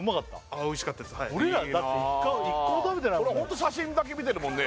これホント写真だけ見てるもんね